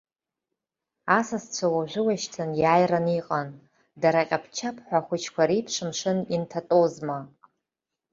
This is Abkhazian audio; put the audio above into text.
Асасцәа уажәыуашьҭан иааираны иҟан, дара аҟьаԥ-чаԥҳәа ахәыҷқәа реиԥш амшын инҭатәозма!